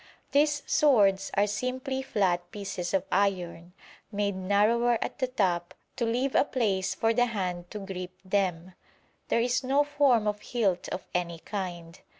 These swords are simply flat pieces of iron, made narrower at the top to leave a place for the hand to grip them; there is no form of hilt of any kind.